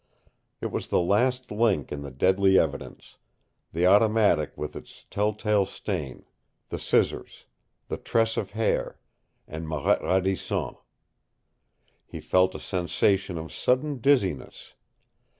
It was the last link in the deadly evidence the automatic with its telltale stain, the scissors, the tress of hair, and Marette Radisson. He felt a sensation of sudden dizziness.